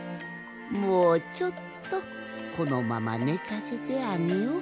もうちょっとこのままねかせてあげようかの。